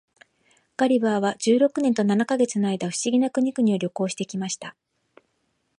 ガリバーは十六年と七ヵ月の間、不思議な国々を旅行して来ました。